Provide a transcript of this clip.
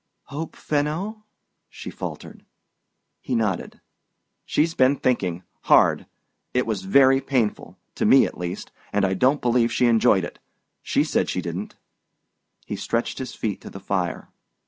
"Hope Fenno ?" she faltered. He nodded. "She's been thinking hard. It was very painful to me, at least; and I don't believe she enjoyed it: she said she didn't." He stretched his feet to the fire.